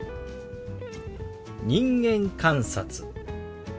「人間観察」。